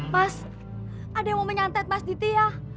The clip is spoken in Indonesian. mas ada yang mau menyantet mas diti ya